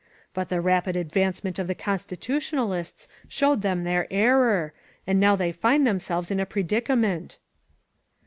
But the rapid advancement of the Constitutionalists showed them their error, and now they find themselves in a predicament."